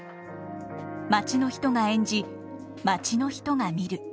町の人が演じ町の人が見る。